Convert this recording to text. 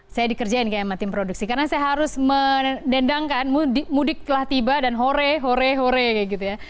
saya dikerjain kayak sama tim produksi karena saya harus mendendangkan mudik telah tiba dan hore hore hore kayak gitu ya